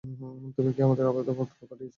তুমি কি তোমার আবেদনপত্র পাঠিয়েছ?